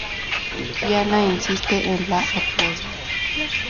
Diana insiste en la apuesta.